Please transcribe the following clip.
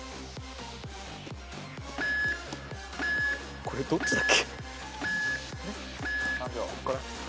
これどっちだっけ。